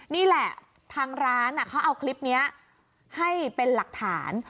นี่แหละทางร้านเขาเอาคลิปนี้ให้เป็นหลักฐาน